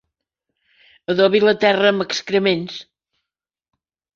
Adobi la terra amb excrements.